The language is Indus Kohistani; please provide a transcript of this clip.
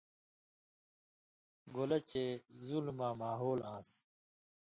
گَولہ چِہ ظلماں ماحول آنٚس